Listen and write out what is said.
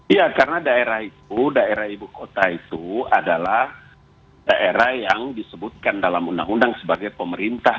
iya karena daerah itu daerah ibu kota itu adalah daerah yang disebutkan dalam undang undang sebagai pemerintah